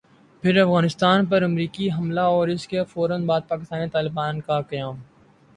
پھر افغانستان پر امریکی حملہ اور اسکے فورا بعد پاکستانی طالبان کا قیام ۔